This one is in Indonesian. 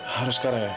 harus sekarang ya